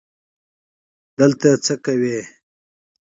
دلته څه که یې